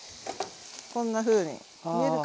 こんなふうに見えるかな？